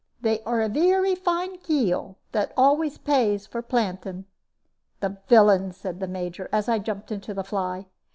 "They are a veery fine young kail, that always pays for planting." "The villain!" said the Major, as I jumped into the fly.